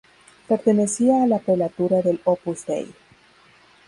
Pertenecía a la prelatura del Opus Dei.